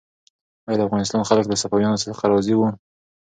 آیا د افغانستان خلک له صفویانو څخه راضي وو؟